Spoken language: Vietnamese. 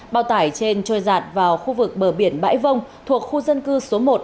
bao tải trên trôi giạt vào khu vực bờ biển bãi vông thuộc khu dân cư số một